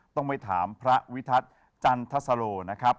ต้องไปถามพระวิทัศน์จันทสโลนะครับ